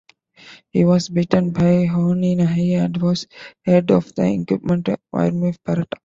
He was beaten by Hoani Nahi and was ahead of the incumbent, Wiremu Parata.